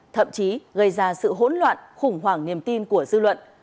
thậm chí gây ra sự hỗn loạn khủng hoảng niềm tin của dư luận